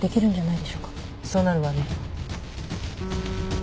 そうなるわね。